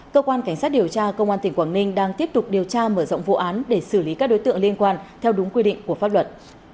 cơ quan cảnh sát điều tra công an tỉnh quảng ninh đang tiếp tục điều tra mở rộng vụ án để xử lý các đối tượng liên quan theo đúng quy định của pháp luật